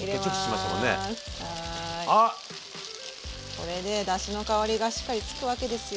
これでだしの香りがしっかりつくわけですよ。